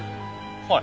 はい。